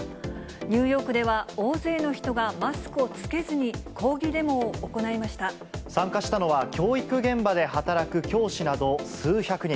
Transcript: ニューヨークでは大勢の人がマスクを着けずに抗議デモを行いまし参加したのは教育現場で働く教師など数百人。